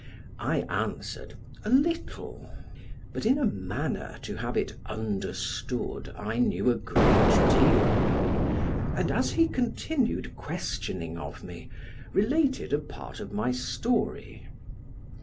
I answered, "A little," but in a manner to have it understood I knew a great deal, and as he continued questioning of me, related a part of my story.